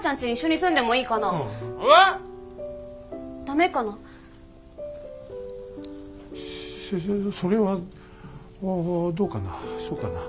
そそそそれはおどうかなそうかな。